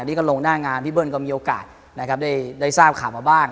อันนี้ก็ลงหน้างานพี่เบิร์นก็มีโอกาสได้ทราบข่าวมาบ้าง